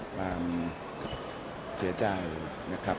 ความเสียใจนะครับ